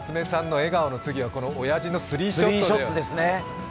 笑顔の次はおやじのスリーショットです。